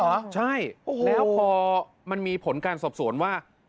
ว่านี้เหรอใช่แล้วพอมันมีผลการสรบสวนว่า